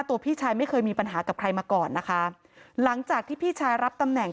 พี่ชายไม่เคยมีปัญหากับใครมาก่อนนะคะหลังจากที่พี่ชายรับตำแหน่ง